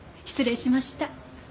失礼しました。